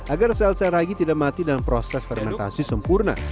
agar sel sel ragi tidak mati dalam proses fermentasi sempurna